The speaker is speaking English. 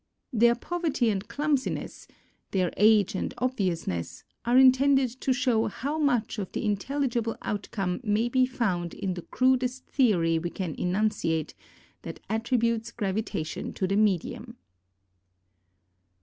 Their poverty and clumsiness, their age and obviousness, are intended to show how much of the' intelligible outcome may be found in the crudest theory we can enunciate, that attributes gravita tion to the medium.